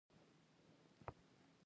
ایا ستاسو دښتې به زرغونې وي؟